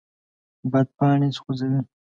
باد پاڼې خوځوي